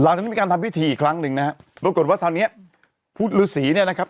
หลังจากนั้นมีการทำพิธีอีกครั้งหนึ่งนะฮะโรคกฏว่าเท่านี้พูดฤษีเนี้ยนะครับ